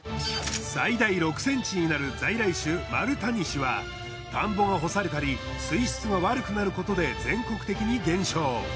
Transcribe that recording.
最大６ｃｍになる在来種マルタニシは田んぼが干されたり水質が悪くなることで全国的に減少。